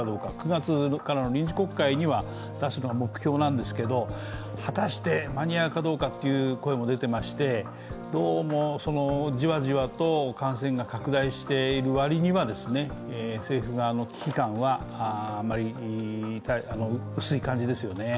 ９月からの臨時国会に出すのが目標なんですけれども、果たして間に合うかどうかという声も出ていまして、どうも、じわじわと感染が拡大している割には政府側の危機感は薄い感じですよね。